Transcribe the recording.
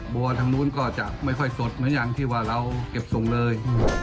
บัวทางนู้นก็จะไม่ค่อยสดเหมือนอย่างที่ว่าเราเก็บส่งเลย